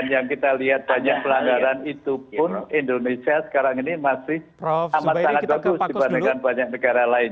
yang kita lihat banyak pelanggaran itu pun indonesia sekarang ini masih amat sangat bagus dibandingkan banyak negara lain